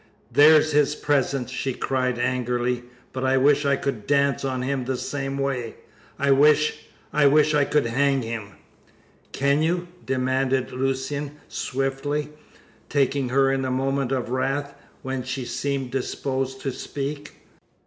"There's his present!" she cried angrily, "but I wish I could dance on him the same way! I wish I wish I could hang him!" "Can you?" demanded Lucian swiftly, taking her in the moment of wrath, when she seemed disposed to speak.